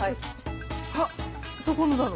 あっどこのだろう？